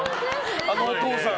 あのお父さん。